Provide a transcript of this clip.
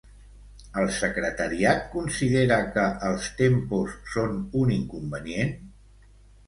El secretariat considera que els tempos són un inconvenient?